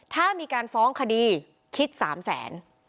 ถ้ามีการฟ้องคดีคิด๓๐๐๐๐๐บาท